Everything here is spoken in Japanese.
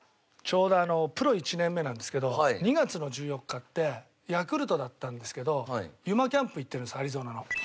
ちょうどプロ１年目なんですけど２月の１４日ってヤクルトだったんですけどユマキャンプ行ってるんですアリゾナの。